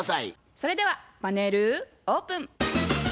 それではパネルオープン。